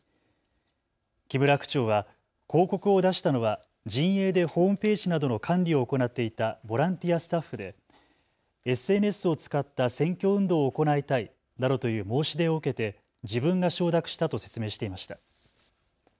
木村区長は広告を出したのは陣営でホームページなどの管理を行っていたボランティアスタッフでＳＮＳを使った選挙運動を行いたいなどという申し出を受けて自分が承諾したと説明していました。